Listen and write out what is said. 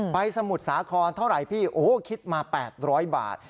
สมุทรสาครเท่าไหร่พี่โอ้โหคิดมา๘๐๐บาท